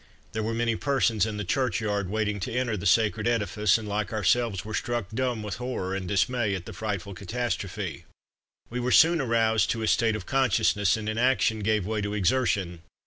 There were many persons in the churchyard, waiting to enter the sacred edifice, and, like ourselves, were struck dumb with horror and dismay at the frightful catastrophe. We were soon aroused to a state of consciousness, and inaction gave way to exertion.